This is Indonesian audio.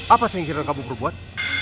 apa sih yang ingin kamu perbuat